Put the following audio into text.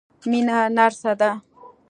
مينه نرسه ده.